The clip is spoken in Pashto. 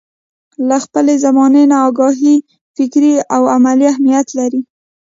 له خپلې زمانې نه اګاهي فکري او عملي اهميت لري.